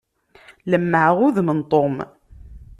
Lemmεeɣ udem n Tom.